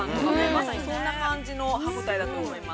まさにそんな感じの歯応えだと思います。